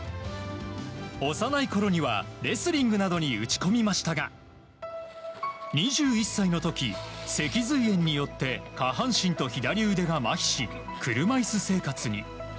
幼いころには、レスリングなどに打ち込みましたが２１歳の時、脊髄炎によって下半身と左腕がまひし車いす生活に。